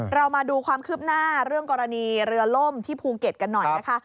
เรามาดูความคืบหน้าเรื่องกรณีเรือล่มที่ภูเก็ตกันหน่อยนะคะ